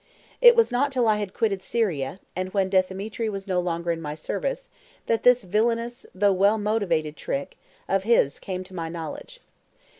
It was not till I had quitted Syria, and when Dthemetri was no longer in my service, that this villainous, though well motived trick, of his came to my knowledge.